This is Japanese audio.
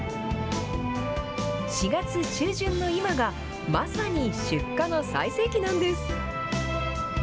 ４月中旬の今が、まさに出荷の最盛期なんです。